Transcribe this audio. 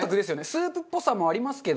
スープっぽさもありますけど